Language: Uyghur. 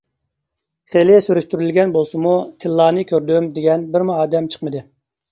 خېلى سۈرۈشتۈرۈلگەن بولسىمۇ تىللانى كۆردۈم دېگەن بىرمۇ ئادەم چىقمىدى.